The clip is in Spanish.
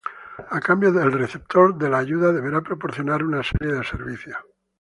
A cambio el receptor de la ayuda deberá proporcionar una serie de servicios.